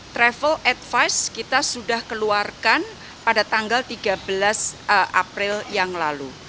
travel advice kita sudah keluarkan pada tanggal tiga belas april yang lalu